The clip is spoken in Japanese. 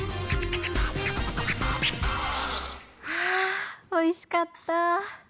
ああおいしかった。